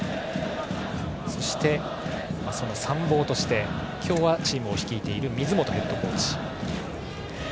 そしてその参謀として今日は、チームを率いている水本ヘッドコーチ。